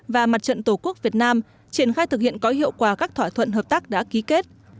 và mặt trận tổ quốc việt nam triển khai thực hiện có hiệu quả các thỏa thuận hợp tác đã ký kết